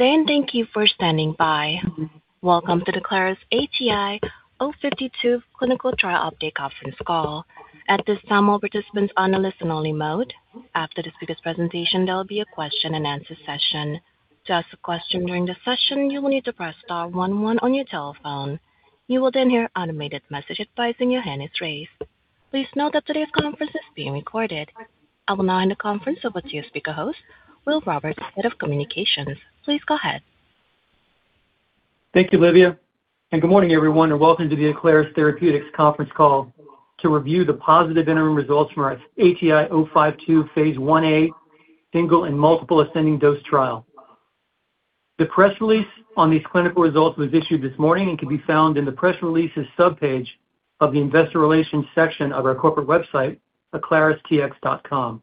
Today, and thank you for standing by. Welcome to the Aclaris ATI-052 Clinical Trial Update Conference Call. At this time, all participants are on a listen-only mode. After the speaker's presentation, there will be a question-and-answer session. To ask a question during the session, you will need to press star 11 on your telephone. You will then hear automated message advising your hand is raised. Please note that today's conference is being recorded. I will now hand the conference over to your speaker host, Will Roberts, Head of Communications. Please go ahead. Thank you, Livia, and good morning, everyone, and welcome to the Aclaris Therapeutics Conference Call to review the positive interim results from our ATI-052 Phase 1A single and multiple ascending dose trial. The press release on these clinical results was issued this morning and can be found in the press release's subpage of the investor relations section of our corporate website, aclaristx.com.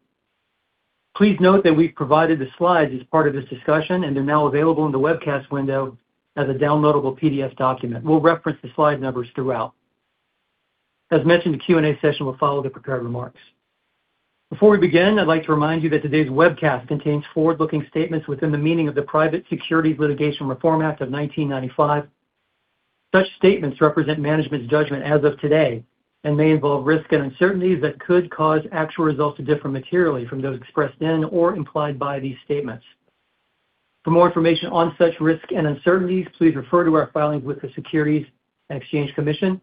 Please note that we've provided the slides as part of this discussion, and they're now available in the webcast window as a downloadable PDF document. We'll reference the slide numbers throughout. As mentioned, the Q&A session will follow the prepared remarks. Before we begin, I'd like to remind you that today's webcast contains forward-looking statements within the meaning of the Private Securities Litigation Reform Act of 1995. Such statements represent management's judgment as of today and may involve risk and uncertainties that could cause actual results to differ materially from those expressed in or implied by these statements. For more information on such risk and uncertainties, please refer to our filings with the Securities and Exchange Commission,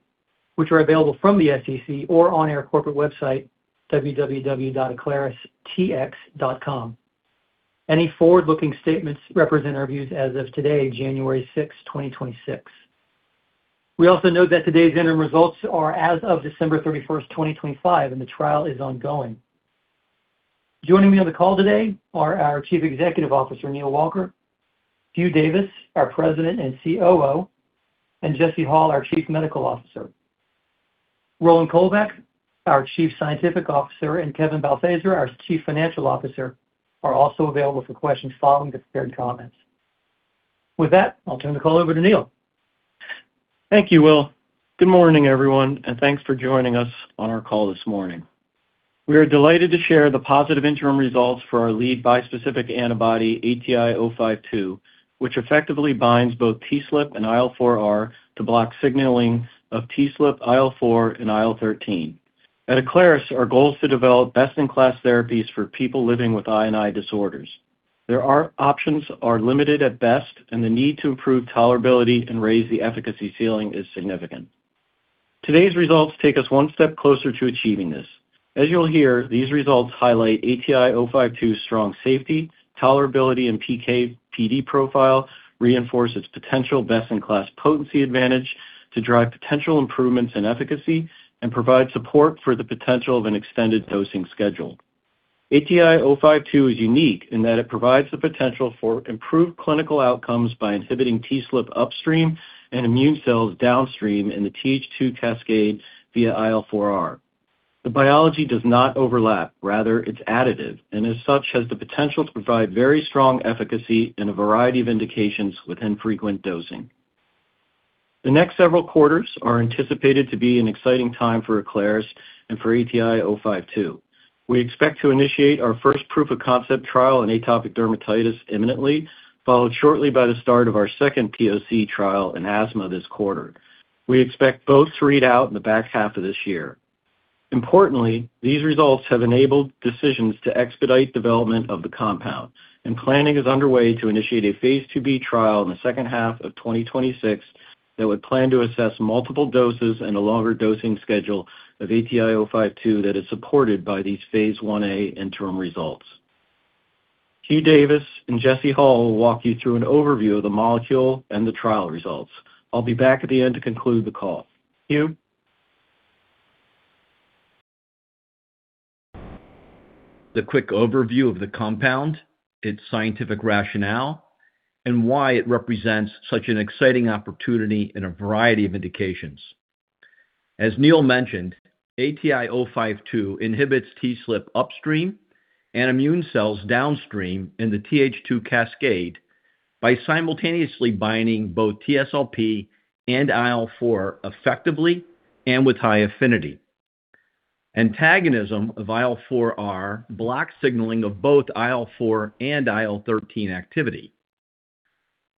which are available from the SEC or on our corporate website, www.aclaristx.com. Any forward-looking statements represent our views as of today, January 6, 2026. We also note that today's interim results are as of December 31, 2025, and the trial is ongoing. Joining me on the call today are our Chief Executive Officer, Neal Walker, Hugh Davis, our President and COO, and Jesse Hall, our Chief Medical Officer. Roland Kolbeck, our Chief Scientific Officer, and Kevin Balthaser, our Chief Financial Officer, are also available for questions following the prepared comments. With that, I'll turn the call over to Neal. Thank you, Will. Good morning, everyone, and thanks for joining us on our call this morning. We are delighted to share the positive interim results for our lead bispecific antibody, ATI-052, which effectively binds both TSLP and IL-4R to block signaling of TSLP, IL-4, and IL-13. At Aclaris, our goal is to develop best-in-class therapies for people living with I&I disorders. Their options are limited at best, and the need to improve tolerability and raise the efficacy ceiling is significant. Today's results take us one step closer to achieving this. As you'll hear, these results highlight ATI-052's strong safety, tolerability, and PK/PD profile, reinforce its potential best-in-class potency advantage to drive potential improvements in efficacy, and provide support for the potential of an extended dosing schedule. ATI-052 is unique in that it provides the potential for improved clinical outcomes by inhibiting TSLP upstream and immune cells downstream in the TH2 cascade via IL-4R. The biology does not overlap. Rather, it's additive, and as such, has the potential to provide very strong efficacy in a variety of indications within frequent dosing. The next several quarters are anticipated to be an exciting time for Aclaris and for ATI-052. We expect to initiate our first proof-of-concept trial in atopic dermatitis imminently, followed shortly by the start of our second POC trial in asthma this quarter. We expect both to read out in the back half of this year. Importantly, these results have enabled decisions to expedite development of the compound, and planning is underway to initiate a Phase 2B trial in the second half of 2026 that would plan to assess multiple doses and a longer dosing schedule of ATI-052 that is supported by these Phase 1A interim results. Hugh Davis and Jesse Hall will walk you through an overview of the molecule and the trial results. I'll be back at the end to conclude the call. Hugh? The quick overview of the compound, its scientific rationale, and why it represents such an exciting opportunity in a variety of indications. As Neal mentioned, ATI-052 inhibits TSLP upstream and immune cells downstream in the TH2 cascade by simultaneously binding both TSLP and IL-4 effectively and with high affinity. Antagonism of IL-4R blocks signaling of both IL-4 and IL-13 activity.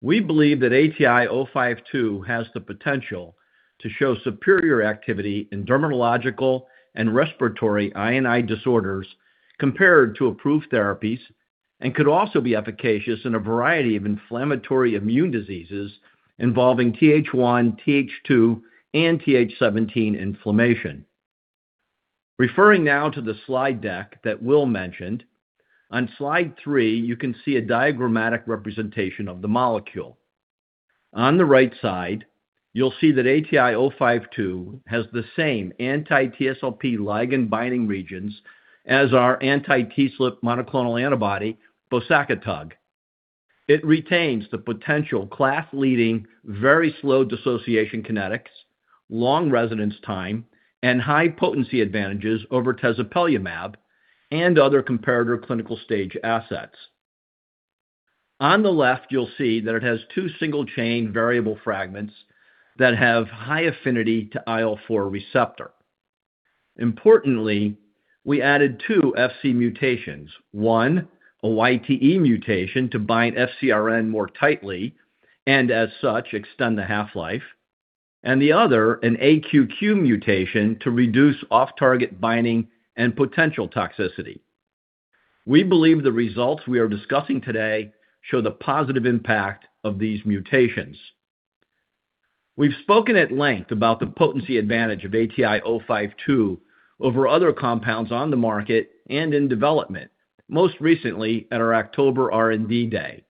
We believe that ATI-052 has the potential to show superior activity in dermatological and respiratory I&I disorders compared to approved therapies and could also be efficacious in a variety of inflammatory immune diseases involving TH1, TH2, and TH17 inflammation. Referring now to the slide deck that Will mentioned, on Slide 3, you can see a diagrammatic representation of the molecule. On the right side, you'll see that ATI-052 has the same anti-TSLP ligand-binding regions as our anti-TSLP monoclonal antibody, bosacatug. It retains the potential class-leading very slow dissociation kinetics, long residence time, and high potency advantages over tezepelamab and other comparator clinical stage assets. On the left, you'll see that it has two single-chain variable fragments that have high affinity to IL-4 receptor. Importantly, we added two Fc mutations: one, a YTE mutation to bind FcRn more tightly and, as such, extend the half-life, and the other, an AQQ mutation to reduce off-target binding and potential toxicity. We believe the results we are discussing today show the positive impact of these mutations. We've spoken at length about the potency advantage of ATI-052 over other compounds on the market and in development, most recently at our October R&D day.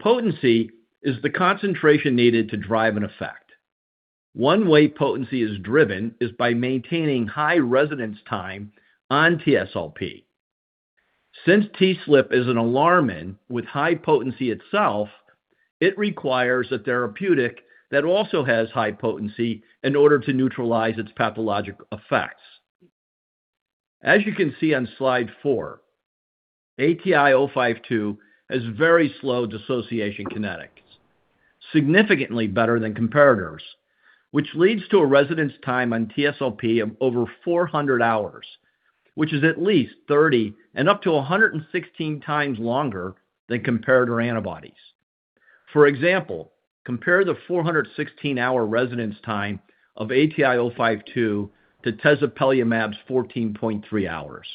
Potency is the concentration needed to drive an effect. One way potency is driven is by maintaining high residence time on TSLP. Since TSLP is an upstream with high potency itself, it requires a therapeutic that also has high potency in order to neutralize its pathologic effects. As you can see on slide 4, ATI-052 has very slow dissociation kinetics, significantly better than comparators, which leads to a residence time on TSLP of over 400 hours, which is at least 30 and up to 116 times longer than comparator antibodies. For example, compare the 416-hour residence time of ATI-052 to tezepelamab's 14.3 hours.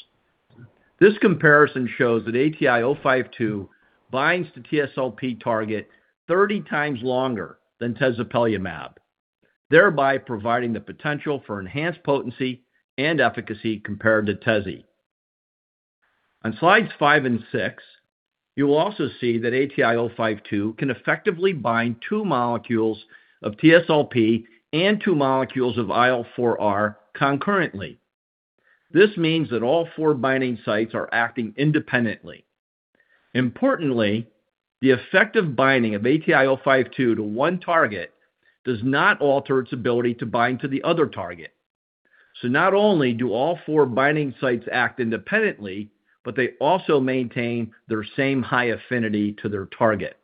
This comparison shows that ATI-052 binds to TSLP target 30 times longer than tezepelamab, thereby providing the potential for enhanced potency and efficacy compared to tezepelamab. On slides 5 and 6, you will also see that ATI-052 can effectively bind two molecules of TSLP and two molecules of IL-4R concurrently. This means that all four binding sites are acting independently. Importantly, the effective binding of ATI-052 to one target does not alter its ability to bind to the other target. So not only do all four binding sites act independently, but they also maintain their same high affinity to their target.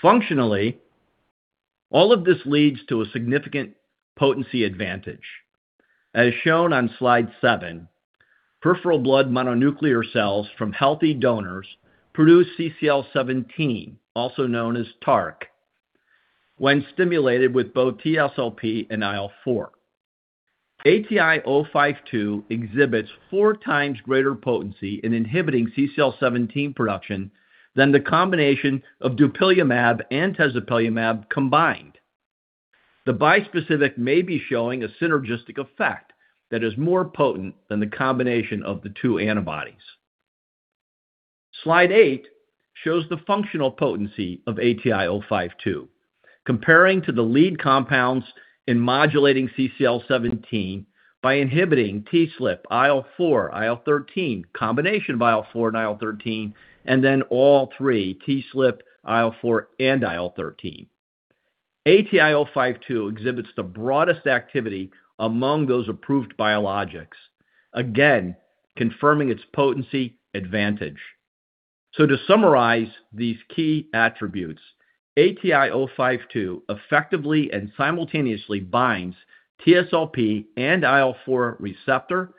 Functionally, all of this leads to a significant potency advantage. As shown on slide seven, peripheral blood mononuclear cells from healthy donors produce CCL17, also known as TARC, when stimulated with both TSLP and IL-4. ATI-052 exhibits four times greater potency in inhibiting CCL17 production than the combination of dupilumab and tezepelamab combined. The bispecific may be showing a synergistic effect that is more potent than the combination of the two antibodies. Slide 8 shows the functional potency of ATI-052, comparing to the lead compounds in modulating CCL17 by inhibiting TSLP, IL-4, IL-13, combination of IL-4 and IL-13, and then all three, TSLP, IL-4, and IL-13. ATI-052 exhibits the broadest activity among those approved biologics, again confirming its potency advantage. So to summarize these key attributes, ATI-052 effectively and simultaneously binds TSLP and IL-4 receptor,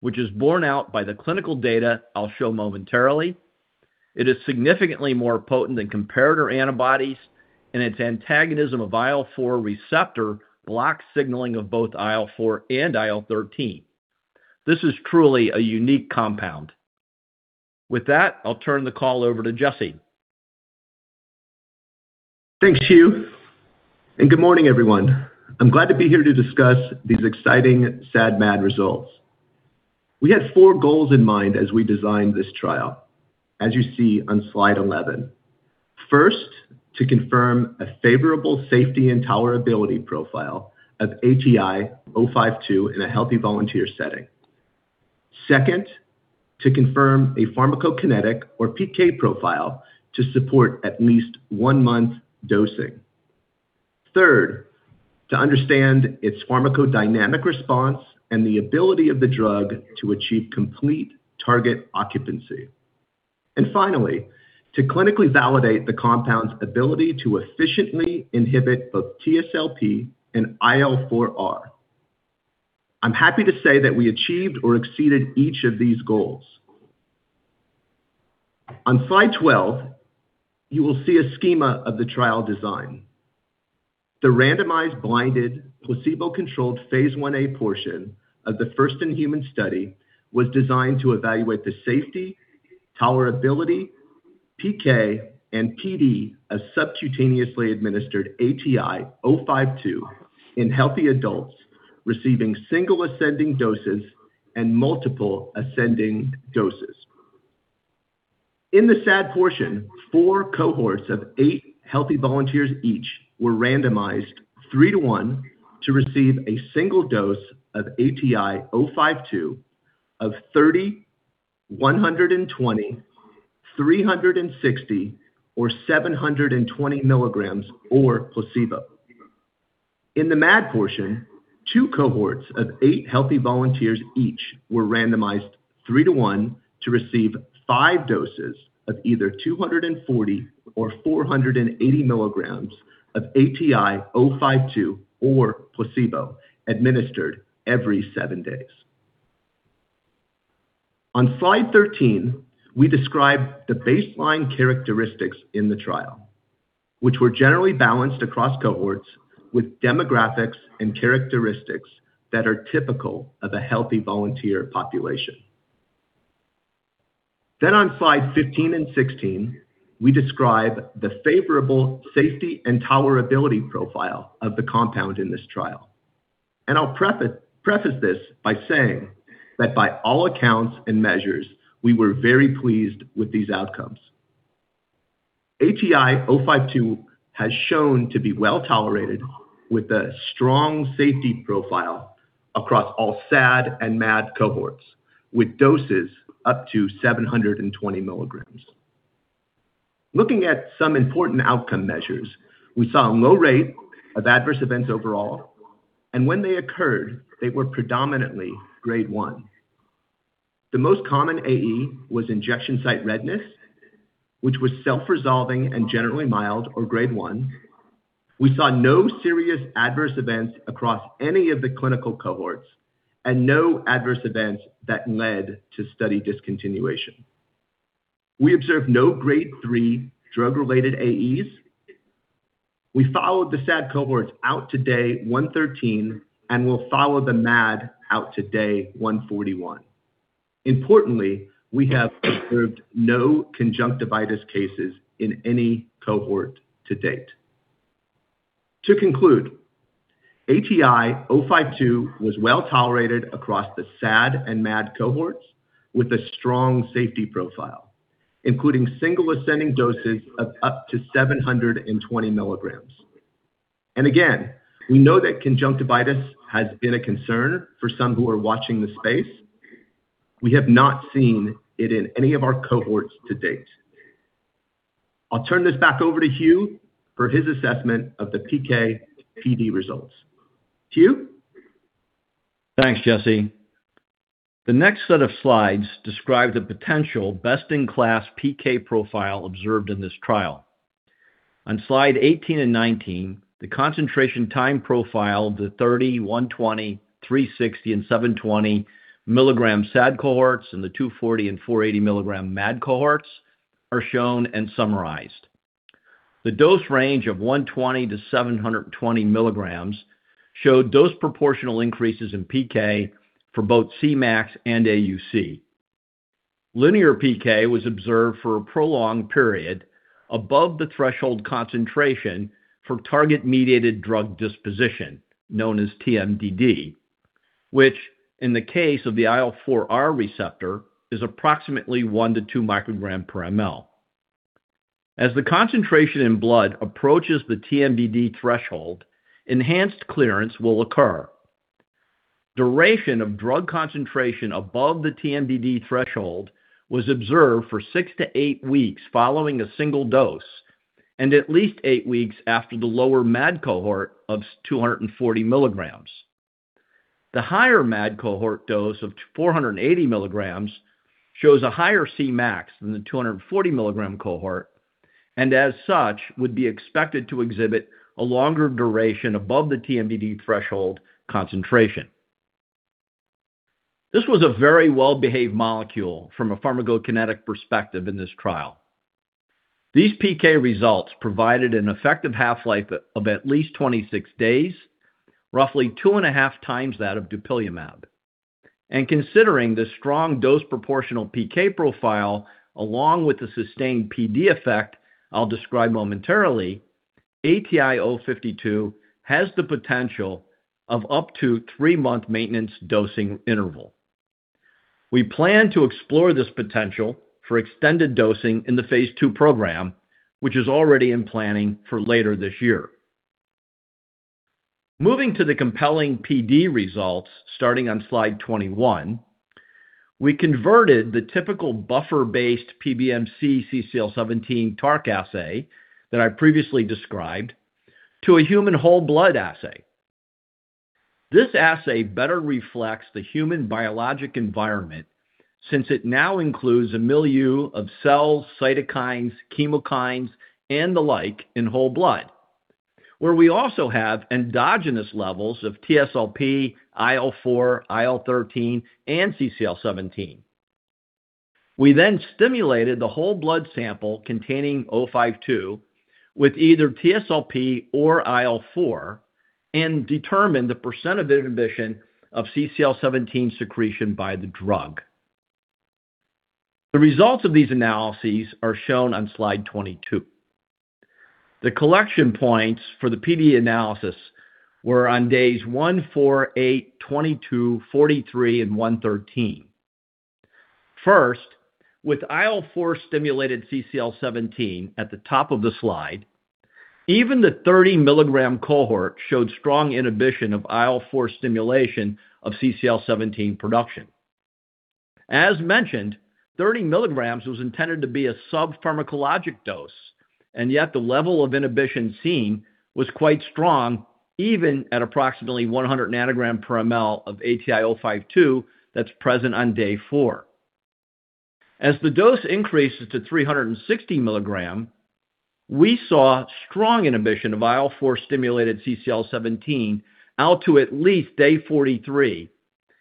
which is borne out by the clinical data I'll show momentarily. It is significantly more potent than comparator antibodies, and its antagonism of IL-4 receptor blocks signaling of both IL-4 and IL-13. This is truly a unique compound. With that, I'll turn the call over to Jesse. Thanks, Hugh. And good morning, everyone. I'm glad to be here to discuss these exciting SAD/MAD results. We had four goals in mind as we designed this trial, as you see on slide 11. First, to confirm a favorable safety and tolerability profile of ATI-052 in a healthy volunteer setting. Second, to confirm a pharmacokinetic or PK profile to support at least one-month dosing. Third, to understand its pharmacodynamic response and the ability of the drug to achieve complete target occupancy. And finally, to clinically validate the compound's ability to efficiently inhibit both TSLP and IL-4R. I'm happy to say that we achieved or exceeded each of these goals. On slide 12, you will see a schema of the trial design. The randomized blinded placebo-controlled phase 1a portion of the first in-human study was designed to evaluate the safety, tolerability, PK, and PD of subcutaneously administered ATI-052 in healthy adults receiving single ascending doses and multiple ascending doses. In the SAD portion, four cohorts of eight healthy volunteers each were randomized three to one to receive a single dose of ATI-052 of 30, 120, 360, or 720mg or placebo. In the MAD portion, two cohorts of eight healthy volunteers each were randomized three to one to receive five doses of either 240 or 480mg of ATI-052 or placebo administered every seven days. On slide 13, we describe the baseline characteristics in the trial, which were generally balanced across cohorts with demographics and characteristics that are typical of a healthy volunteer population. Then on slides 15 and 16, we describe the favorable safety and tolerability profile of the compound in this trial. And I'll preface this by saying that by all accounts and measures, we were very pleased with these outcomes. ATI-052 has shown to be well tolerated with a strong safety profile across all SAD and MAD cohorts with doses up to 720mg. Looking at some important outcome measures, we saw a low rate of adverse events overall, and when they occurred, they were predominantly grade 1. The most common AE was injection site redness, which was self-resolving and generally mild or grade 1. We saw no serious adverse events across any of the clinical cohorts and no adverse events that led to study discontinuation. We observed no grade 3 drug-related AEs. We followed the SAD cohorts out to day 113 and will follow the MAD out to day 141. Importantly, we have observed no conjunctivitis cases in any cohort to date. To conclude, ATI-052 was well tolerated across the SAD and MAD cohorts with a strong safety profile, including single ascending doses of up to 720mg, and again, we know that conjunctivitis has been a concern for some who are watching the space. We have not seen it in any of our cohorts to date. I'll turn this back over to Hugh for his assessment of the PK/PD results. Hugh? Thanks, Jesse. The next set of slides describes the potential best-in-class PK profile observed in this trial. On slide 18 and 19, the concentration time profile of the 30, 120, 360, and 720 milligram SAD cohorts and the 240 and 480mg MAD cohorts are shown and summarized. The dose range of 120 to 720mg showed dose-proportional increases in PK for both Cmax and AUC. Linear PK was observed for a prolonged period above the threshold concentration for target-mediated drug disposition, known as TMDD, which, in the case of the IL-4R receptor, is approximately one to 2 micrograms per mL. As the concentration in blood approaches the TMDD threshold, enhanced clearance will occur. Duration of drug concentration above the TMDD threshold was observed for six to eight weeks following a single dose and at least eight weeks after the lower MAD cohort of 240mg. The higher MAD cohort dose of 480 mg shows a higher Cmax than the 240mg cohort and, as such, would be expected to exhibit a longer duration above the TMDD threshold concentration. This was a very well-behaved molecule from a pharmacokinetic perspective in this trial. These PK results provided an effective half-life of at least 26 days, roughly two and a half times that of dupilumab. And considering the strong dose-proportional PK profile along with the sustained PD effect I'll describe momentarily, ATI-052 has the potential of up to three-month maintenance dosing interval. We plan to explore this potential for extended dosing in the phase 2 program, which is already in planning for later this year. Moving to the compelling PD results starting on slide 21, we converted the typical buffer-based PBMC CCL17 TARC assay that I previously described to a human whole blood assay. This assay better reflects the human biologic environment since it now includes a milieu of cells, cytokines, chemokines, and the like in whole blood, where we also have endogenous levels of TSLP, IL-4, IL-13, and CCL17. We then stimulated the whole blood sample containing ATI-052 with either TSLP or IL-4 and determined the percent of inhibition of CCL17 secretion by the drug. The results of these analyses are shown on slide 22. The collection points for the PD analysis were on days 1, 4, 8, 22, 43, and 113. First, with IL-4 stimulated CCL17 at the top of the slide, even the 30mg cohort showed strong inhibition of IL-4 stimulation of CCL17 production. As mentioned, 30 mg was intended to be a sub-pharmacologic dose, and yet the level of inhibition seen was quite strong even at approximately 100 nanogram per mL of ATI-052 that's present on day four. As the dose increases to 360 milligram, we saw strong inhibition of IL-4 stimulated CCL17 out to at least day 43,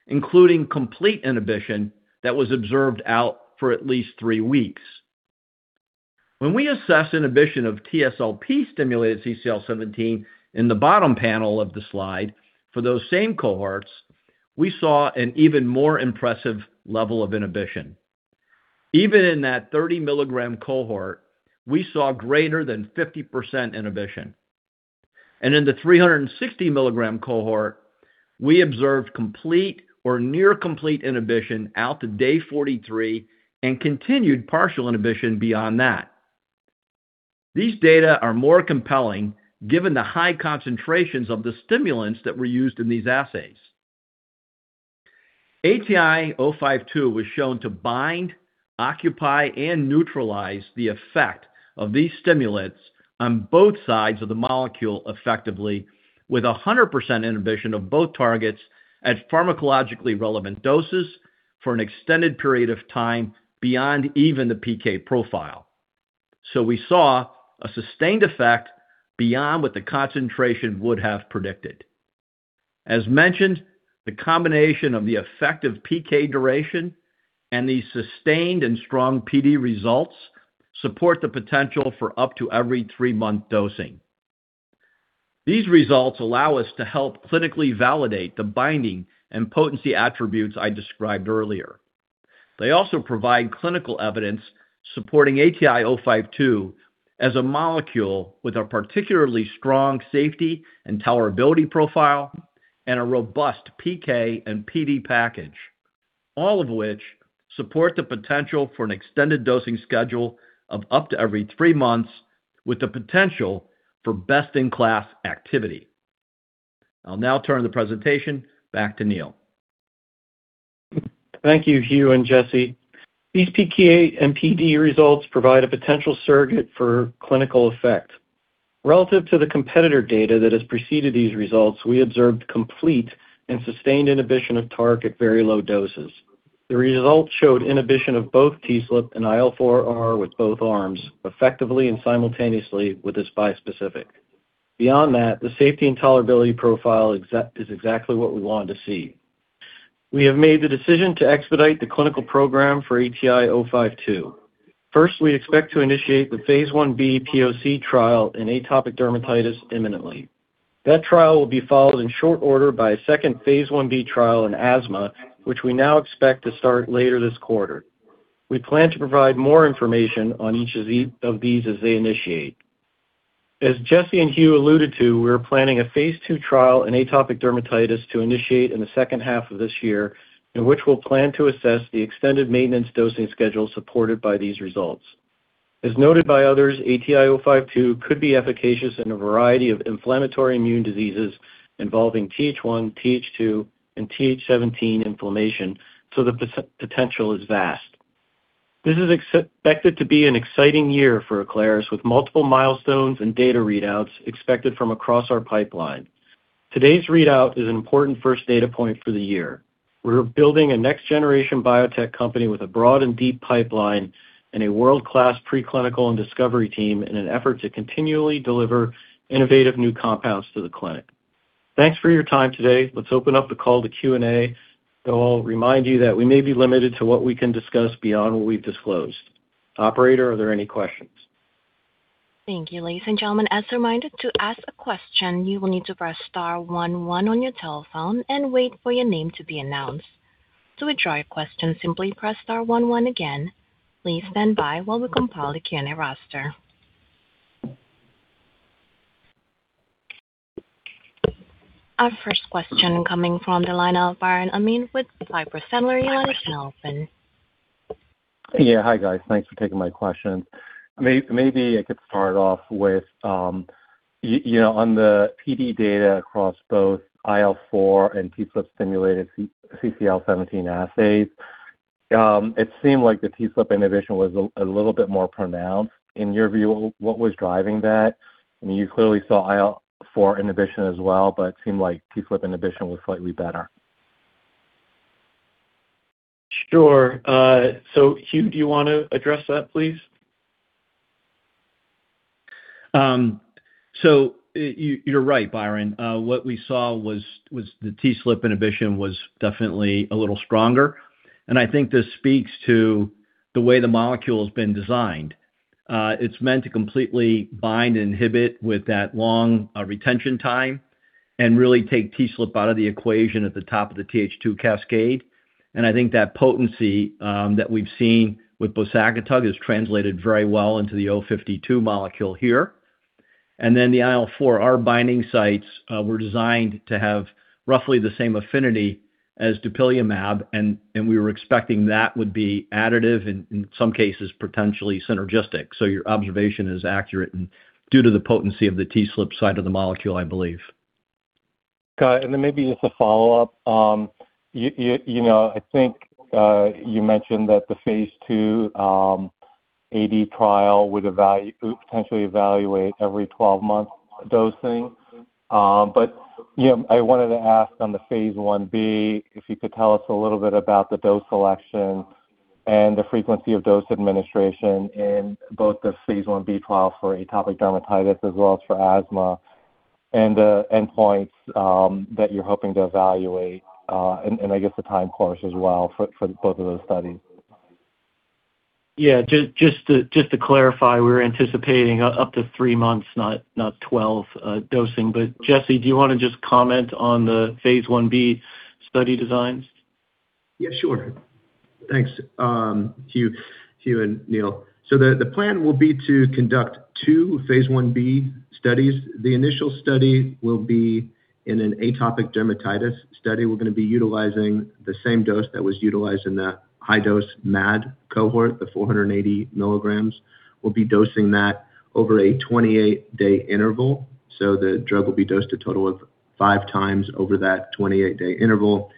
including complete inhibition that was observed out for at least three weeks. When we assessed inhibition of TSLP stimulated CCL17 in the bottom panel of the slide for those same cohorts, we saw an even more impressive level of inhibition. Even in that 30mg cohort, we saw greater than 50% inhibition. And in the 360mg cohort, we observed complete or near complete inhibition out to day 43 and continued partial inhibition beyond that. These data are more compelling given the high concentrations of the stimulants that were used in these assays. ATI-052 was shown to bind, occupy, and neutralize the effect of these stimulants on both sides of the molecule effectively with 100% inhibition of both targets at pharmacologically relevant doses for an extended period of time beyond even the PK profile. So we saw a sustained effect beyond what the concentration would have predicted. As mentioned, the combination of the effective PK duration and these sustained and strong PD results support the potential for up to every three-month dosing. These results allow us to help clinically validate the binding and potency attributes I described earlier. They also provide clinical evidence supporting ATI-052 as a molecule with a particularly strong safety and tolerability profile and a robust PK and PD package, all of which support the potential for an extended dosing schedule of up to every three months with the potential for best-in-class activity. I'll now turn the presentation back to Neal. Thank you, Hugh and Jesse. These PK and PD results provide a potential surrogate for clinical effect. Relative to the competitor data that has preceded these results, we observed complete and sustained inhibition of TARC at very low doses. The results showed inhibition of both TSLP and IL-4R with both arms effectively and simultaneously with this bispecific. Beyond that, the safety and tolerability profile is exactly what we wanted to see. We have made the decision to expedite the clinical program for ATI-052. First, we expect to initiate the phase 1B POC trial in atopic dermatitis imminently. That trial will be followed in short order by a second phase 1B trial in asthma, which we now expect to start later this quarter. We plan to provide more information on each of these as they initiate. As Jesse and Hugh alluded to, we are planning a phase 2 trial in atopic dermatitis to initiate in the second half of this year, in which we'll plan to assess the extended maintenance dosing schedule supported by these results. As noted by others, ATI-052 could be efficacious in a variety of inflammatory immune diseases involving TH1, TH2, and TH17 inflammation, so the potential is vast. This is expected to be an exciting year for Aclaris with multiple milestones and data readouts expected from across our pipeline. Today's readout is an important first data point for the year. We're building a next-generation biotech company with a broad and deep pipeline and a world-class preclinical and discovery team in an effort to continually deliver innovative new compounds to the clinic. Thanks for your time today. Let's open up the call to Q&A. I'll remind you that we may be limited to what we can discuss beyond what we've disclosed. Operator, are there any questions? Thank you, ladies and gentlemen. As a reminder, to ask a question, you will need to press star 11 on your telephone and wait for your name to be announced. To withdraw your question, simply press star 11 again. Please stand by while we compile the Q&A roster. Our first question coming from the line of Biren Amin with Piper Sandler and your line is open. Yeah, hi guys. Thanks for taking my question. Maybe I could start off with, you know, on the PD data across both IL-4 and TSLP stimulated CCL17 assays, it seemed like the TSLP inhibition was a little bit more pronounced. In your view, what was driving that? I mean, you clearly saw IL-4 inhibition as well, but it seemed like TSLP inhibition was slightly better. Sure. So, Hugh, do you want to address that, please? You're right, Byron. What we saw was the TSLP inhibition was definitely a little stronger. I think this speaks to the way the molecule has been designed. It's meant to completely bind and inhibit with that long retention time and really take TSLP out of the equation at the top of the TH2 cascade. I think that potency that we've seen with bosacatug has translated very well into the 052 molecule here. The IL-4R binding sites were designed to have roughly the same affinity as dupilumab, and we were expecting that would be additive and, in some cases, potentially synergistic. Your observation is accurate due to the potency of the TSLP side of the molecule, I believe. Got it. And then maybe just a follow-up. You know, I think you mentioned that the phase 2 A-D trial would potentially evaluate every 12-month dosing. But, you know, I wanted to ask on the phase 1b if you could tell us a little bit about the dose selection and the frequency of dose administration in both the phase 1B trial for atopic dermatitis as well as for asthma and the endpoints that you're hoping to evaluate, and I guess the time course as well for both of those studies. Yeah, just to clarify, we're anticipating up to three months, not 12 dosing. But Jesse, do you want to just comment on the phase 1B study designs? Yeah, sure. Thanks, Hugh and Neal. So the plan will be to conduct two phase 1B studies. The initial study will be in an atopic dermatitis study. We're going to be utilizing the same dose that was utilized in the high-dose MAD cohort, the 480mg. We'll be dosing that over a 28-day interval. So the drug will be dosed a total of five times over that 28-day interval.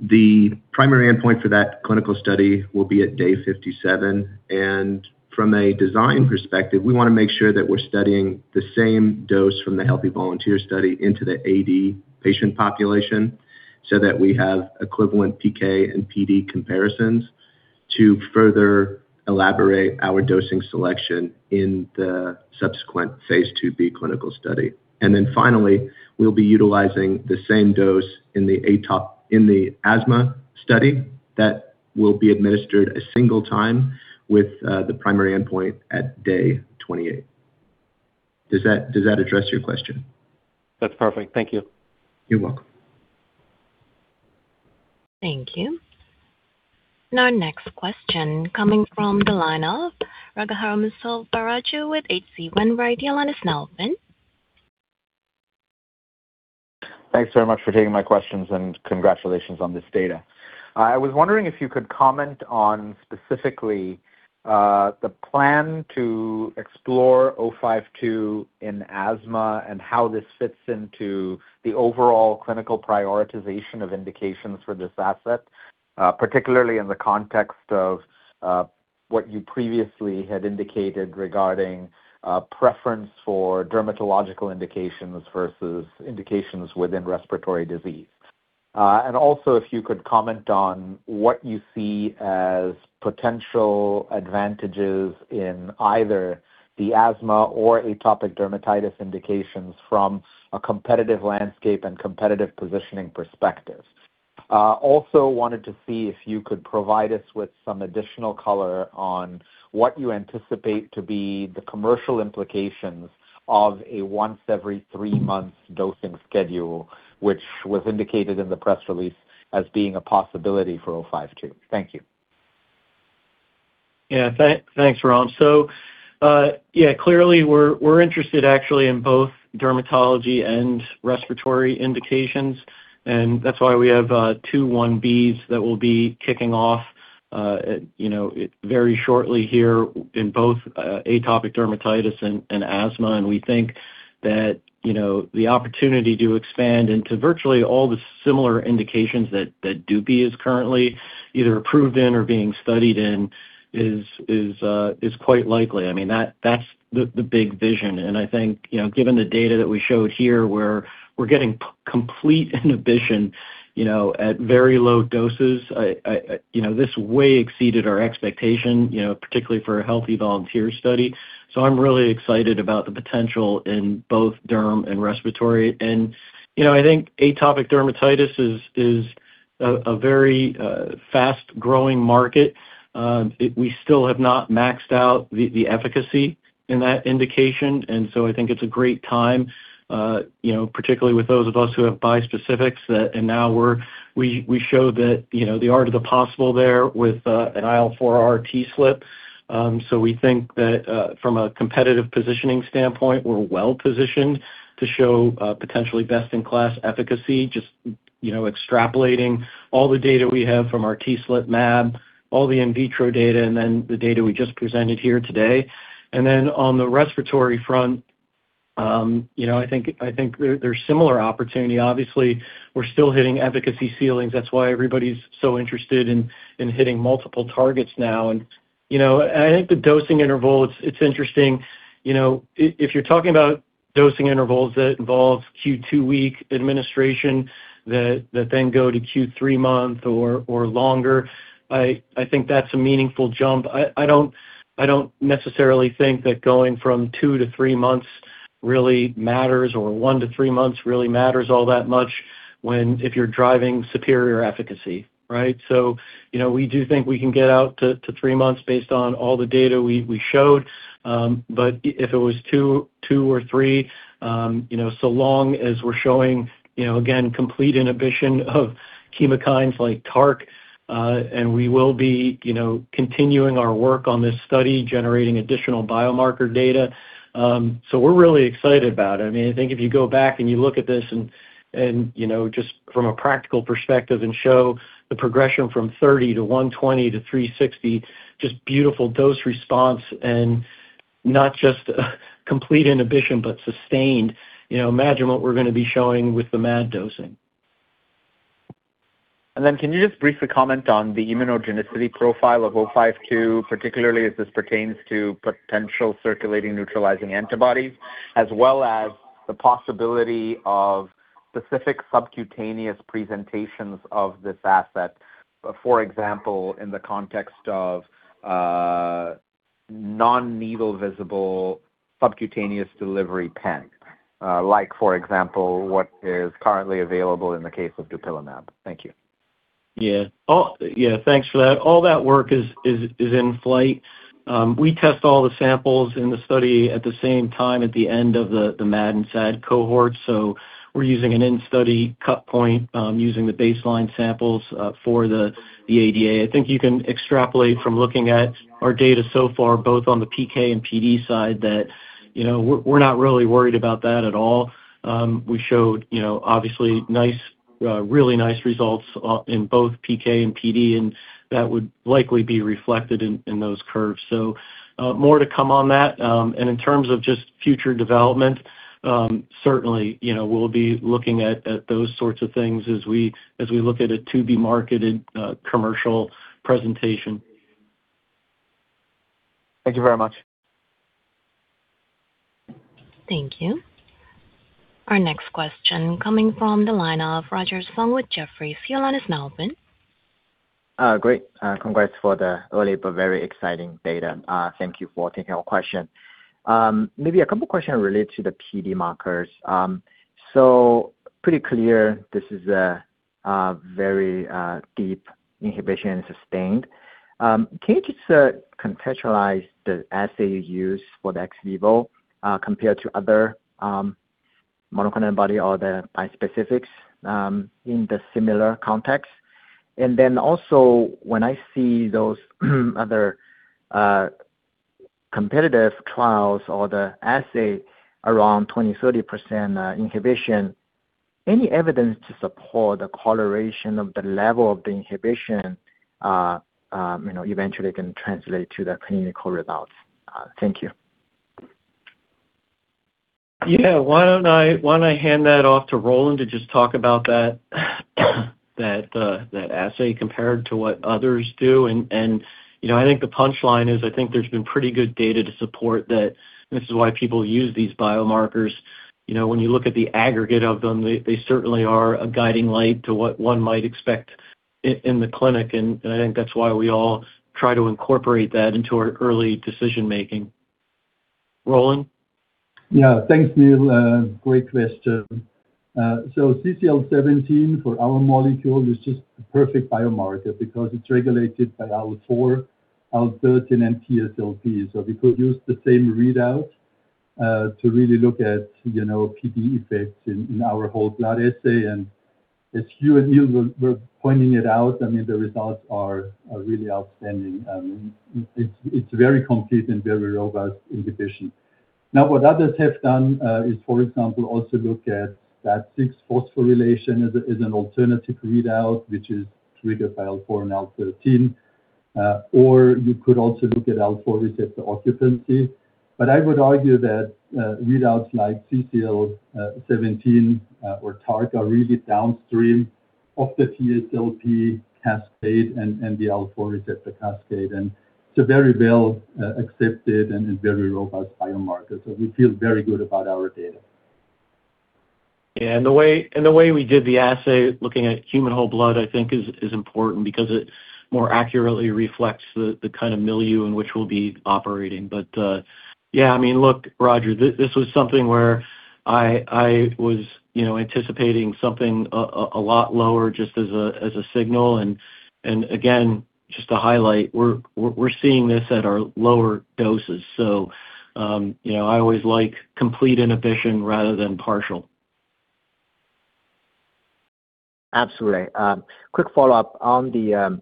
The primary endpoint for that clinical study will be at day 57, and from a design perspective, we want to make sure that we're studying the same dose from the Healthy Volunteer study into the AD patient population so that we have equivalent PK and PD comparisons to further elaborate our dosing selection in the subsequent phase 2B clinical study. And then finally, we'll be utilizing the same dose in the asthma study that will be administered a single time with the primary endpoint at day 28. Does that address your question? That's perfect. Thank you. You're welcome. Thank you. Now, next question coming from the line of Raghuram Selvaraju with H.C. Wainwright. Thanks very much for taking my questions and congratulations on this data. I was wondering if you could comment on specifically the plan to explore 052 in asthma and how this fits into the overall clinical prioritization of indications for this asset, particularly in the context of what you previously had indicated regarding preference for dermatological indications versus indications within respiratory disease, and also, if you could comment on what you see as potential advantages in either the asthma or atopic dermatitis indications from a competitive landscape and competitive positioning perspective. Also, wanted to see if you could provide us with some additional color on what you anticipate to be the commercial implications of a once-every-three-month dosing schedule, which was indicated in the press release as being a possibility for 052. Thank you. Yeah, thanks, Ram. So, yeah, clearly, we're interested actually in both dermatology and respiratory indications. And that's why we have two phase 1B's that will be kicking off, you know, very shortly here in both atopic dermatitis and asthma. And we think that, you know, the opportunity to expand into virtually all the similar indications that dupi is currently either approved in or being studied in is quite likely. I mean, that's the big vision. And I think, you know, given the data that we showed here where we're getting complete inhibition, you know, at very low doses, you know, this way exceeded our expectation, you know, particularly for a healthy volunteer study. So I'm really excited about the potential in both derm and respiratory. And, you know, I think atopic dermatitis is a very fast-growing market. We still have not maxed out the efficacy in that indication. And so I think it's a great time, you know, particularly with those of us who have bispecifics that, and now we show that, you know, the art of the possible there with an IL-4R TSLP. So we think that from a competitive positioning standpoint, we're well-positioned to show potentially best-in-class efficacy, just, you know, extrapolating all the data we have from our TSLP MAD, all the in vitro data, and then the data we just presented here today. And then on the respiratory front, you know, I think there's similar opportunity. Obviously, we're still hitting efficacy ceilings. That's why everybody's so interested in hitting multiple targets now. And, you know, I think the dosing interval, it's interesting. You know, if you're talking about dosing intervals that involve Q2 week administration that then go to Q3 month or longer, I think that's a meaningful jump. I don't necessarily think that going from two to three months really matters or one to three months really matters all that much when if you're driving superior efficacy, right? So, you know, we do think we can get out to three months based on all the data we showed. But if it was two or three, you know, so long as we're showing, you know, again, complete inhibition of chemokines like TARC, and we will be, you know, continuing our work on this study, generating additional biomarker data. So we're really excited about it. I mean, I think if you go back and you look at this and, you know, just from a practical perspective and show the progression from 30 to 120 to 360, just beautiful dose response and not just complete inhibition, but sustained, you know, imagine what we're going to be showing with the MAD dosing. And then can you just briefly comment on the immunogenicity profile of 052, particularly as this pertains to potential circulating neutralizing antibodies, as well as the possibility of specific subcutaneous presentations of this asset, for example, in the context of non-needle-visible subcutaneous delivery pen, like, for example, what is currently available in the case of dupilumab? Thank you. Yeah. Oh, yeah, thanks for that. All that work is in flight. We test all the samples in the study at the same time at the end of the MAD and SAD cohort. So we're using an in-study cut point using the baseline samples for the ADA. I think you can extrapolate from looking at our data so far, both on the PK and PD side, that, you know, we're not really worried about that at all. We showed, you know, obviously nice, really nice results in both PK and PD, and that would likely be reflected in those curves. So more to come on that. And in terms of just future development, certainly, you know, we'll be looking at those sorts of things as we look at a to-be-marketed commercial presentation. Thank you very much. Thank you. Our next question coming from the line of Roger Song along with Jefferies and your line is open. Great. Congrats for the early, but very exciting data. Thank you for taking our question. Maybe a couple of questions related to the PD markers. So pretty clear, this is a very deep inhibition and sustained. Can you just contextualize the assay you use for the ex vivo compared to other monoclonal antibody or the bispecifics in the similar context? And then also, when I see those other competitive trials or the assay around 20%-30% inhibition, any evidence to support the correlation of the level of the inhibition, you know, eventually can translate to the clinical results? Thank you. Yeah, why don't I hand that off to Roland to just talk about that assay compared to what others do. And, you know, I think the punchline is I think there's been pretty good data to support that this is why people use these biomarkers. You know, when you look at the aggregate of them, they certainly are a guiding light to what one might expect in the clinic. And I think that's why we all try to incorporate that into our early decision-making. Roland? Yeah, thanks, Neal. Great question. So CCL17 for our molecule is just a perfect biomarker because it's regulated by IL-4, IL-13, and TSLP. So we could use the same readout to really look at, you know, PD effects in our whole blood assay. And as Hugh and Neal were pointing it out, I mean, the results are really outstanding. It's very complete and very robust inhibition. Now, what others have done is, for example, also look at that STAT6 phosphorylation as an alternative readout, which is triggered by IL-4 and IL-13. Or you could also look at IL-4 receptor occupancy. But I would argue that readouts like CCL17 or TARC are really downstream of the TSLP cascade and the IL-4 receptor cascade. And it's a very well-accepted and very robust biomarker. So we feel very good about our data. Yeah, and the way we did the assay looking at human whole blood, I think, is important because it more accurately reflects the kind of milieu in which we'll be operating. But, yeah, I mean, look, Roger, this was something where I was, you know, anticipating something a lot lower just as a signal. And again, just to highlight, we're seeing this at our lower doses. So, you know, I always like complete inhibition rather than partial. Absolutely. Quick follow-up on the.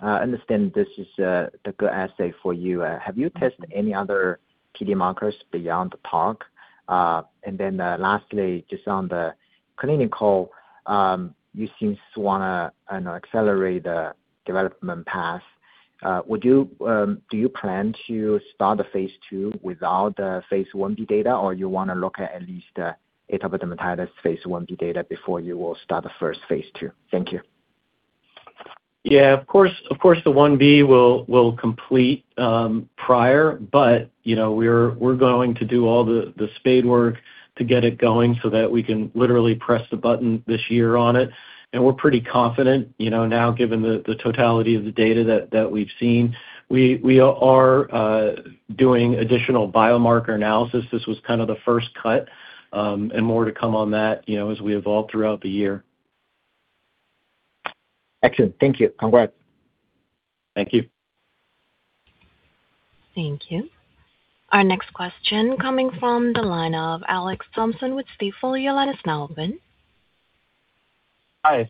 I understand this is a good assay for you. Have you tested any other PD markers beyond TARC? And then lastly, just on the clinical, you seem to want to accelerate the development path. Do you plan to start the phase 2 without the phase 1b data, or you want to look at at least atopic dermatitis phase 1B data before you will start the first phase 2? Thank you. Yeah, of course, the 1B will complete prior, but you know, we're going to do all the spade work to get it going so that we can literally press the button this year on it, and we're pretty confident, you know, now given the totality of the data that we've seen. We are doing additional biomarker analysis. This was kind of the first cut, and more to come on that, you know, as we evolve throughout the year. Excellent. Thank you. Congrats. Thank you. Thank you. Our next question coming from the line of Alex Thompson with Stifel. Hi,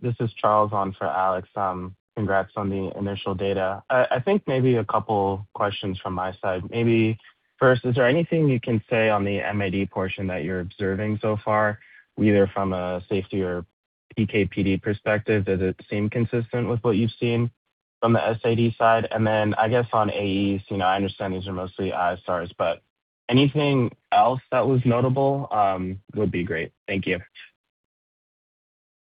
this is Charles on for Alex. Congrats on the initial data. I think maybe a couple questions from my side. Maybe first, is there anything you can say on the MAD portion that you're observing so far, either from a safety or PK/PD perspective? Does it seem consistent with what you've seen from the SAD side? And then I guess on AEs, you know, I understand these are mostly ISRs, but anything else that was notable would be great. Thank you.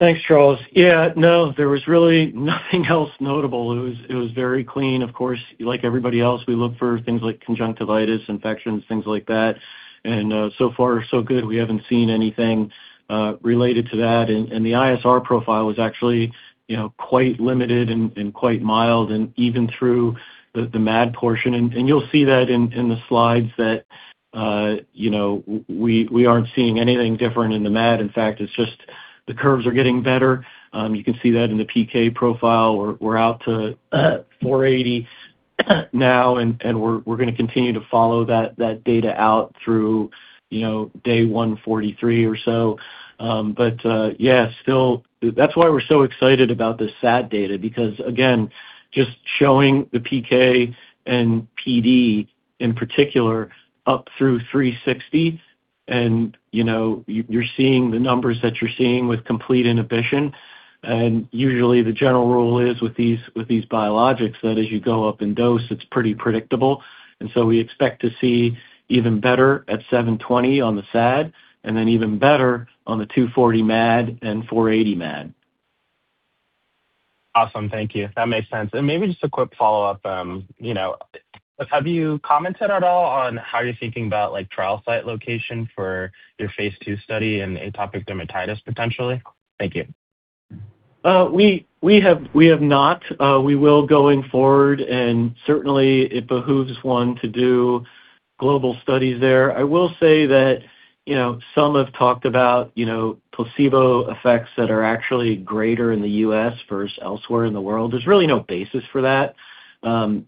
Thanks, Charles. Yeah, no, there was really nothing else notable. It was very clean. Of course, like everybody else, we look for things like conjunctivitis, infections, things like that, and so far, so good. We haven't seen anything related to that, and the ISR profile was actually, you know, quite limited and quite mild, and even through the MAD portion, and you'll see that in the slides that, you know, we aren't seeing anything different in the MAD. In fact, it's just the curves are getting better. You can see that in the PK profile. We're out to 480 now, and we're going to continue to follow that data out through, you know, day 143 or so. But, yeah, still, that's why we're so excited about the SAD data, because, again, just showing the PK and PD in particular up through 360, and, you know, you're seeing the numbers that you're seeing with complete inhibition. And usually, the general rule is with these biologics that as you go up in dose, it's pretty predictable. And so we expect to see even better at 720 on the SAD, and then even better on the 240 MAD and 480 MAD. Awesome. Thank you. That makes sense. And maybe just a quick follow-up, you know, have you commented at all on how you're thinking about, like, trial site location for your phase two study in atopic dermatitis potentially? Thank you. We have not. We will going forward, and certainly it behooves one to do global studies there. I will say that, you know, some have talked about, you know, placebo effects that are actually greater in the U.S. versus elsewhere in the world. There's really no basis for that.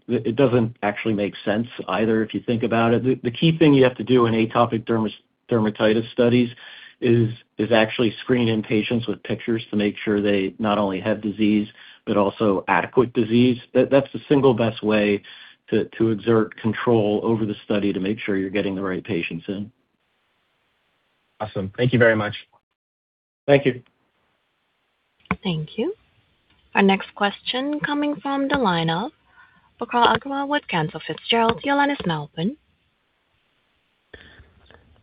It doesn't actually make sense either if you think about it. The key thing you have to do in atopic dermatitis studies is actually screen in patients with pictures to make sure they not only have disease, but also adequate disease. That's the single best way to exert control over the study to make sure you're getting the right patients in. Awesome. Thank you very much. Thank you. Thank you. Our next question coming from the line of Prakhar Agrawal, Cantor Fitzgerald calling in.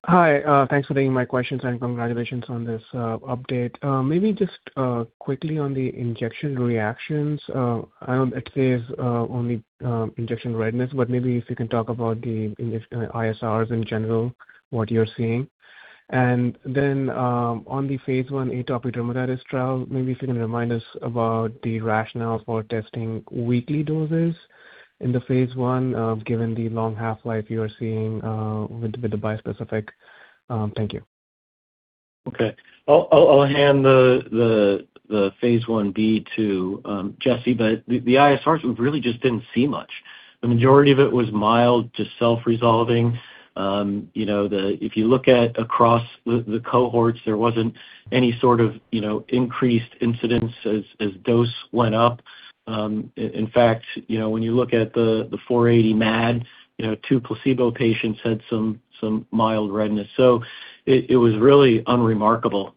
Hi, thanks for taking my questions, and congratulations on this update. Maybe just quickly on the injection reactions. I know it says only injection readiness, but maybe if you can talk about the ISRs in general, what you're seeing. And then on the phase one atopic dermatitis trial, maybe if you can remind us about the rationale for testing weekly doses in the phase one, given the long half-life you are seeing with the bispecific. Thank you. Okay. I'll hand the phase 1B to Jesse, but the ISRs we really just didn't see much. The majority of it was mild to self-resolving. You know, if you look at across the cohorts, there wasn't any sort of, you know, increased incidence as dose went up. In fact, you know, when you look at the 480 MAD, you know, two placebo patients had some mild redness. So it was really unremarkable,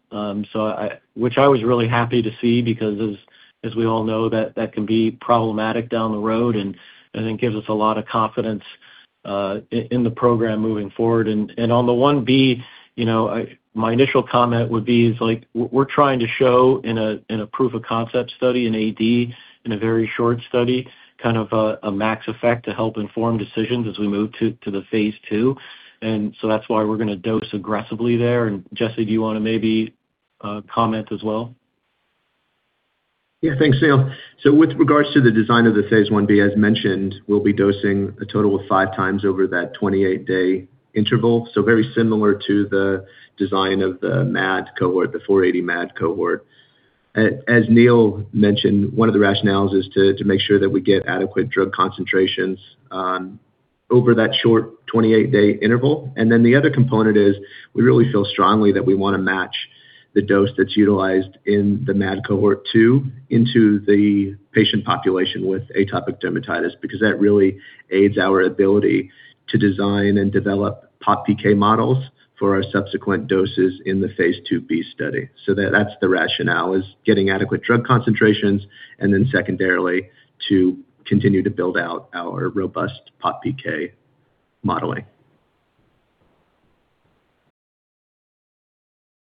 which I was really happy to see because, as we all know, that can be problematic down the road, and I think gives us a lot of confidence in the program moving forward. On the 1B, you know, my initial comment would be is, like, we're trying to show in a proof of concept study in AD, in a very short study, kind of a max effect to help inform decisions as we move to the phase two. And so that's why we're going to dose aggressively there. And Jesse, do you want to maybe comment as well? Yeah, thanks, Neal. So with regards to the design of the phase 1B, as mentioned, we'll be dosing a total of five times over that 28-day interval. So very similar to the design of the MAD cohort, the 480 MAD cohort. As Neal mentioned, one of the rationales is to make sure that we get adequate drug concentrations over that short 28-day interval. And then the other component is we really feel strongly that we want to match the dose that's utilized in the MAD cohort to the patient population with atopic dermatitis because that really aids our ability to design and develop POP/PK models for our subsequent doses in the phase 2B study. So that's the rationale is getting adequate drug concentrations, and then secondarily, to continue to build out our robust POP/PK modeling.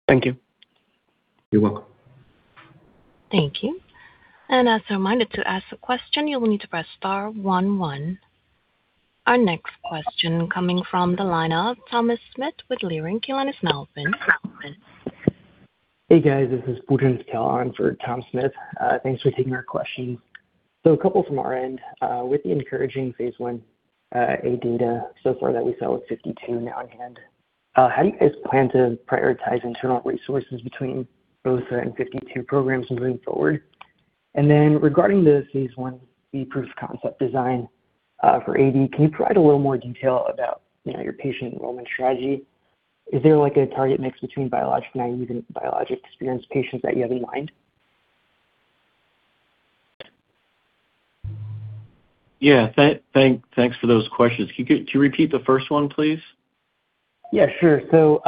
Thank you. You're welcome. Thank you, and as a reminder to ask a question, you will need to press star 11. Our next question coming from the line of Thomas Smith with Leerink Partners and your line is open. Hey, guys. This is Bojan for Tom Smith. Thanks for taking our questions. So a couple from our end. With the encouraging phase 1a data so far that we saw with 52 now in hand, how do you guys plan to prioritize internal resources between both 52 programs moving forward? And then regarding the phase 1B proof of concept design for AD, can you provide a little more detail about, you know, your patient enrollment strategy? Is there, like, a target mix between biologically naive and biologic experienced patients that you have in mind? Yeah, thanks for those questions. Can you repeat the first one, please? Yeah, sure. So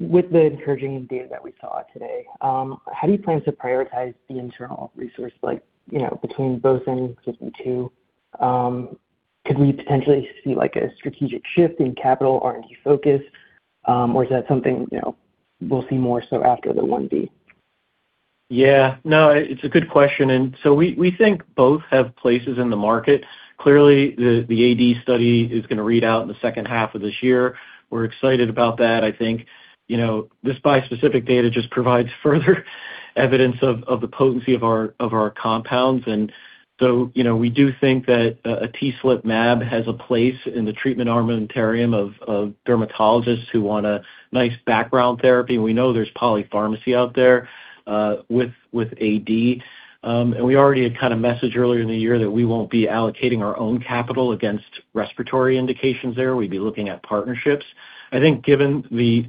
with the encouraging data that we saw today, how do you plan to prioritize the internal resource, like, you know, between both 52? Could we potentially see, like, a strategic shift in capital R&D focus, or is that something, you know, we'll see more so after the 1B? Yeah, no, it's a good question. And so we think both have places in the market. Clearly, the AD study is going to read out in the second half of this year. We're excited about that. I think, you know, this bispecific data just provides further evidence of the potency of our compounds. And so, you know, we do think that a TSLP MAB has a place in the treatment armamentarium of dermatologists who want a nice background therapy. We know there's polypharmacy out there with AD. And we already had kind of messaged earlier in the year that we won't be allocating our own capital against respiratory indications there. We'd be looking at partnerships. I think given the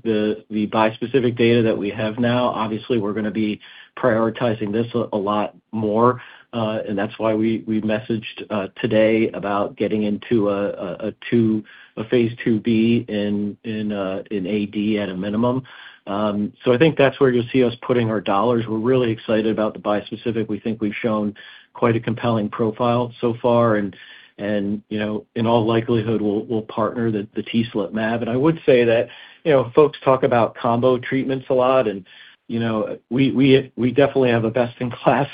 bispecific data that we have now, obviously, we're going to be prioritizing this a lot more. And that's why we messaged today about getting into a phase 2B in AD at a minimum. So I think that's where you'll see us putting our dollars. We're really excited about the bispecific. We think we've shown quite a compelling profile so far. And, you know, in all likelihood, we'll partner the TSLP MAB. And I would say that, you know, folks talk about combo treatments a lot. And, you know, we definitely have a best-in-class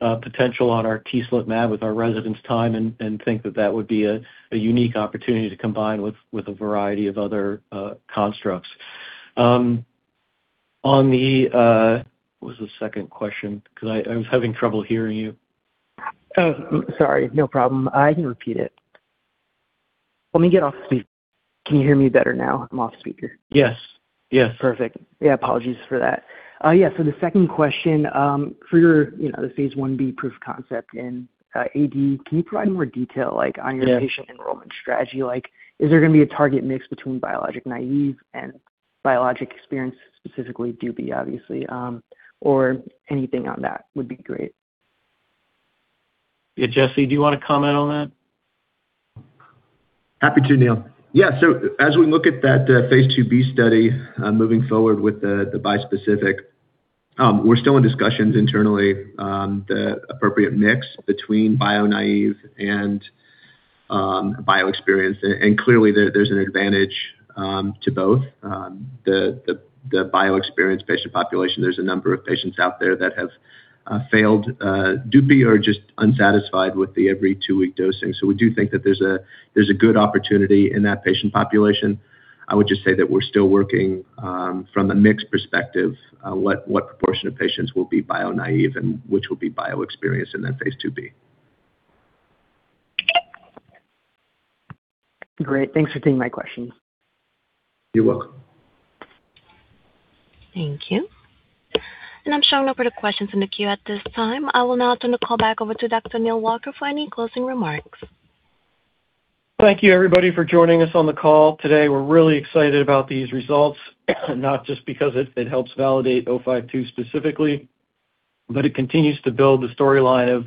potential on our TSLP MAB with our residence time and think that that would be a unique opportunity to combine with a variety of other constructs. On the, what was the second question? Because I was having trouble hearing you. Oh, sorry. No problem. I can repeat it. Let me get off speaker. Can you hear me better now? I'm off speaker. Yes. Yes. Perfect. Yeah, apologies for that. Yeah, so the second question for you, you know, the phase 1B proof of concept in AD, can you provide more detail, like, on your patient enrollment strategy? Like, is there going to be a target mix between biologic naive and biologic experienced, specifically dupilumab, obviously, or anything on that would be great. Yeah, Jesse, do you want to comment on that? Happy to, Neal. Yeah, so as we look at that phase 2B study moving forward with the bispecific, we're still in discussions internally, the appropriate mix between bio-naive and bio-experienced, and clearly, there's an advantage to both. The bio-experienced patient population, there's a number of patients out there that have failed dupi or just unsatisfied with the every two-week dosing. So we do think that there's a good opportunity in that patient population. I would just say that we're still working from the mix perspective, what proportion of patients will be bio-naive and which will be bio-experienced in that phase 2b. Great. Thanks for taking my questions. You're welcome. Thank you. I'm showing no further questions in the queue at this time. I will now turn the call back over to Dr. Neal Walker for any closing remarks. Thank you, everybody, for joining us on the call today. We're really excited about these results, not just because it helps validate 052 specifically, but it continues to build the storyline of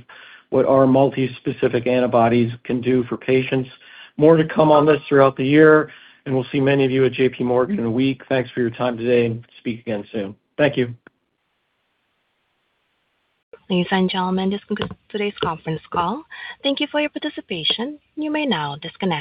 what our multi-specific antibodies can do for patients. More to come on this throughout the year, and we'll see many of you at JPMorgan in a week. Thanks for your time today, and speak again soon. Thank you. Ladies and gentlemen, this concludes today's conference call. Thank you for your participation. You may now disconnect.